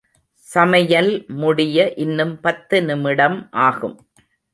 சமையல் முடிய இன்னும் பத்து நிமிடம் ஆகும்.